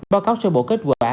báo cáo sơ bộ kết quả